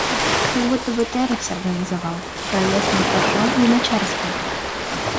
Как будто бы Терек сорганизовал, проездом в Боржом, Луначарский.